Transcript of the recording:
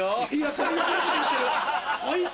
最悪なこと言ってる最低！